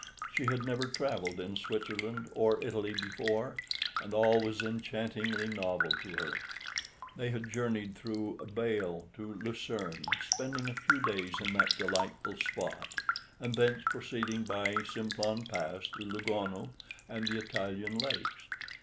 She had never travelled in Switzerland or Italy before and all was enchantingly novel to her. They had journeyed through Basle to Lucerne, spending a few days in that delightful spot, and thence proceeding by the Simplon Pass to Lugano and the Italian lakes.